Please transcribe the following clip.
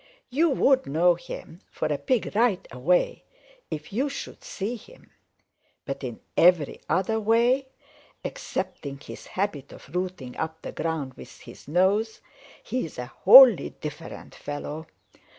You would know him for a Pig right away if you should see him. But in every other way excepting his habit of rooting up the ground with his nose, he is a wholly different fellow.